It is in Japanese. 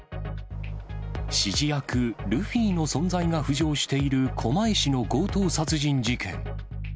指示役、ルフィの存在が浮上している、狛江市の強盗殺人事件。